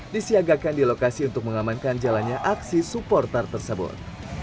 disiagakan di lokasi untuk mengamankan jalannya aksi supporter tersebut